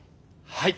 はい。